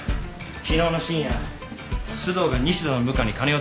昨日の深夜須藤が西田の部下に金をつかませていた。